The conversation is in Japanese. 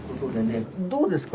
どうですか？